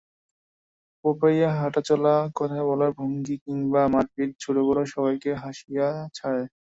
পপাইয়ের হাঁটা-চলা, কথা বলার ভঙ্গি কিংবা মারপিট, ছোট-বড় সবাইকে হাসিয়ে ছাড়ে।